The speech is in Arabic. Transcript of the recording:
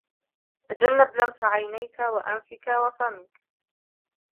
تجنب لمس عينيك وأنفك وفمك